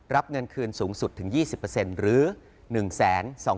รับเงินคืนสูงสุดถึง๒๐หรือ